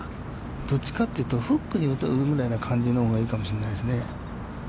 どっちかというと、フックに打つぐらいの感じのほうがいいかもしれないですね。